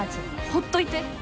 ほっといて。